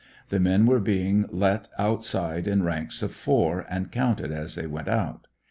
The men were being let outside in ranks of four, and counted as they went out.